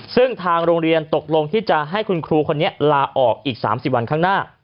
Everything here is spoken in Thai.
ซึ่งทางโรงเรียนตกลงที่จะให้คุณครูคนนี้ลาออกอีก๓๐วันข้างหน้า